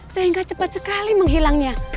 saya ingat cepat sekali menghilangnya